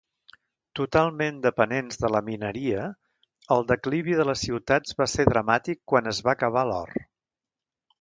Totalment dependents de la mineria, el declivi de les ciutats va ser dramàtic quan es va acabar l'or.